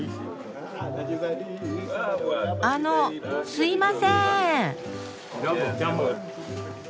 あのすいません。